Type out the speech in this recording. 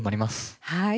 はい。